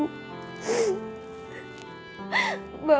aku mau masuk rumah